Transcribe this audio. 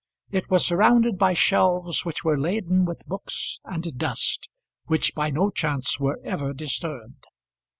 It was surrounded by shelves which were laden with books and dust, which by no chance were ever disturbed.